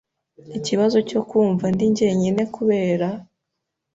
ikibazo cyo kumva ndi njyenyine kubera